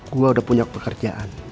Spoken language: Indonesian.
gua udah punya pekerjaan